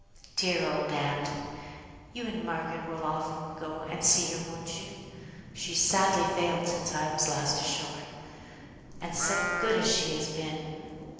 Dear old aunt! you and Margaret will often go and see her, won't you? She's sadly failed since I was last ashore. And so good as she has been!